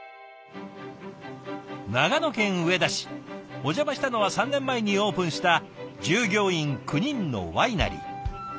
お邪魔したのは３年前にオープンした従業員９人のワイナリー。